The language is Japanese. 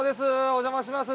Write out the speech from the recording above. お邪魔します。